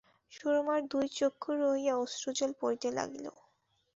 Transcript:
সুরমার দুই চক্ষু রহিয়া অশ্রুজল পড়িতে লাগিল।